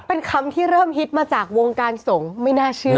เป็นคำที่เริ่มฮิตมาจากวงการสงฆ์ไม่น่าเชื่อ